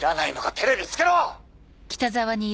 テレビつけろ！